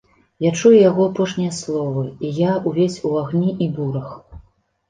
Я чую яго апошнія словы, і я ўвесь у агні і бурах.